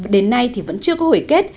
đến nay thì vẫn chưa có hồi kết